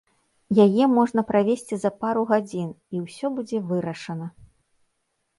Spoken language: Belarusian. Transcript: Яе можа правесці за пару гадзін, і ўсё будзе вырашана!